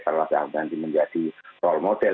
kalau nanti menjadi role model